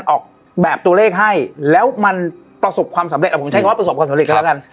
ออกแบบตัวเลขให้แล้วมันประสบความสำเร็จผมใช้คำว่าประสบความสำเร็จกันแล้วกัน